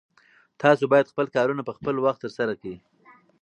تاسو باید خپل کارونه په خپل وخت ترسره کړئ.